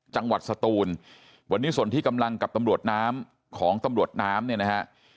จังหวัดสตูนวันนี้ส่วนที่กำลังกับตำรวจน้ำของตำรวจน้ำเนี่ยนะฮะ